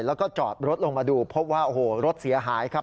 แล้วก็จอดรถลงมาดูพบว่าโอ้โหรถเสียหายครับ